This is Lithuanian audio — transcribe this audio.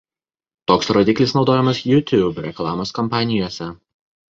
Toks rodiklis naudojamas „YouTube“ reklamos kampanijose.